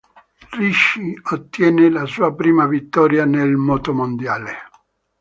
Ricci ottiene la sua prima vittoria nel motomondiale.